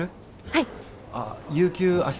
はい。